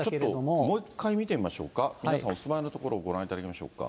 ちょっともう一回見てみましょうか、皆さん、お住まいの所をご覧いただきましょうか。